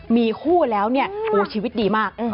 มีคู่แล้วชีวิตดีมาก